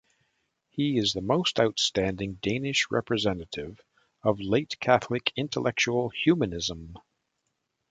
He is the most outstanding Danish representative of late Catholic intellectual humanism.